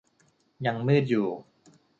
ยังมืดอยู่